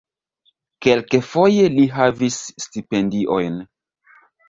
Kelkfoje li havis stipendiojn.